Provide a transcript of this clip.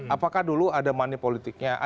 apakah dulu ada money politiknya